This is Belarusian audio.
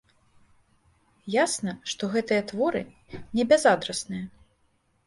Ясна, што гэтыя творы не бязадрасныя.